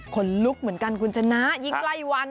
คนลุกเหมือนกันคุณชนะยิ่งใกล้วัน